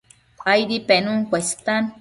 Aidi penun cuestan